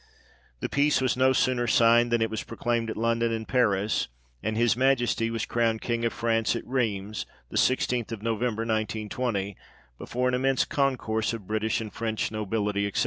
The peace was no 'sooner signed, than it was proclaimed at London and Paris, and his Majesty was crowned King of France, at Rheims, the i6th of Novem ber, 1920, before an immense concourse of British and French nobility, &c.